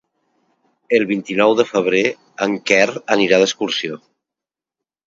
El vint-i-nou de febrer en Quer anirà d'excursió.